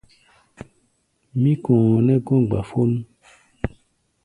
Mí kɔ̧ɔ̧ nɛ́ gɔ̧́ gbafón.